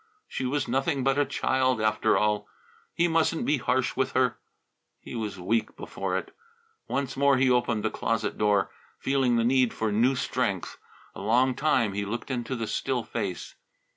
She was nothing but a child, after all; he mustn't be harsh with her. He was weak before it. Once more he opened the closet door, feeling the need for new strength. A long time he looked into the still face.